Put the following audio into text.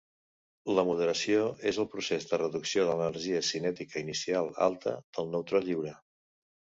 La moderació és el procés de reducció de l'energia cinètica inicial alta del neutró lliure.